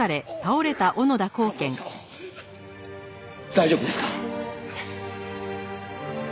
大丈夫ですか？